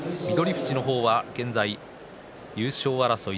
富士の方は現在優勝争い